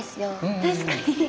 確かに。